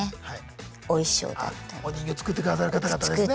お人形作ってくださる方々ですね。